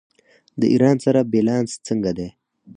د ایران سره بیلانس څنګه دی؟